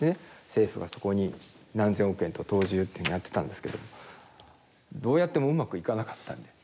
政府がそこに何千億円と投じるっていうのやってたんですけどどうやってもうまくいかなかったんでもう発想を変えてですね